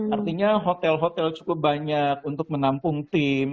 artinya hotel hotel cukup banyak untuk menampung tim